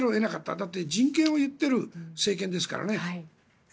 だって人権を言っている政権ですからね。